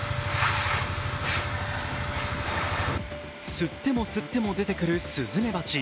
吸っても吸っても出てくるスズメバチ。